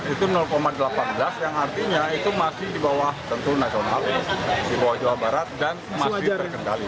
itu delapan belas yang artinya itu masih di bawah tentu nasionalis di bawah jawa barat dan masih terkendali